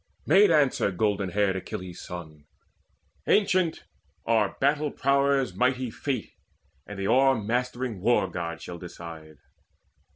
Made answer golden haired Achilles' son: "Ancient, our battle prowess mighty Fate And the o'ermastering War god shall decide."